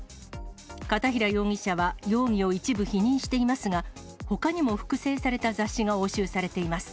片平容疑者は容疑を一部否認していますが、ほかにも複製された雑誌が押収されています。